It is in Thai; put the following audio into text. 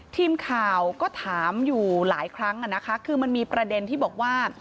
ทีมข่าวก็ถามอยู่หลายครั้งนะคะคือมันมีประเด็นที่บอกว่า